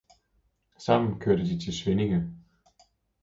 Sammen kørte de til Svinninge